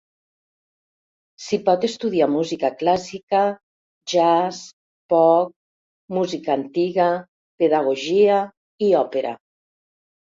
S'hi pot estudiar música clàssica, jazz, pop, música antiga, pedagogia i òpera.